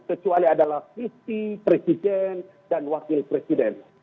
kecuali adalah visi presiden dan wakil presiden